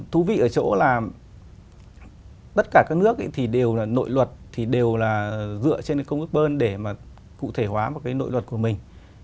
thú vị ở chỗ là tất cả các nước thì đều là nội luật thì đều là dựa trên cái công ước bơn để mà cụ thể hóa một cái nội luật của mình